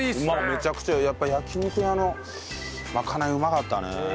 めちゃくちゃやっぱ焼肉屋のまかないうまかったね。